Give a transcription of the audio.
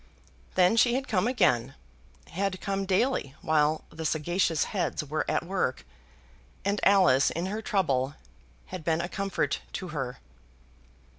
Then she had come again, had come daily while the sagacious heads were at work, and Alice in her trouble had been a comfort to her.